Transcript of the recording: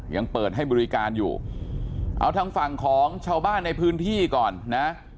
ยังเปิดให้บริการอยู่เอาทางฝั่งของชาวบ้านในพื้นที่ก่อนนะ